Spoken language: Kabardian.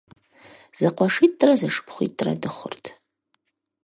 ЗэкъуэшитӀрэ зэшыпхъуитӀрэ дыхъурт.